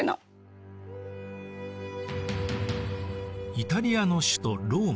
イタリアの首都ローマ。